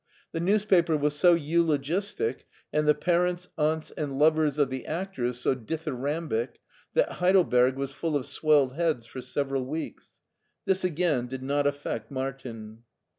The news paper was so eulogistic, and the parents, aunts, and lovers of the actors so dithyrambic, that Heidelberg was full of swelled heads for several weeks. TTiis, s^in. did not affect Martin.